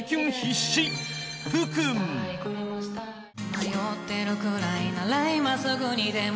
「迷ってるくらいなら今すぐにでも」